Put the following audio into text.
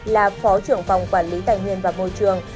là phó trưởng phòng quản lý tài nguyên và môi trường